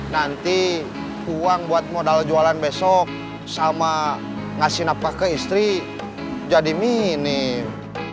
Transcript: nanti uang buat modal jualan besok sama ngasih napak ke istri jadi minim